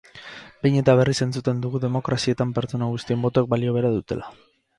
Behin eta berriz entzuten dugu demokrazietan pertsona guztien botoek balio bera dutela.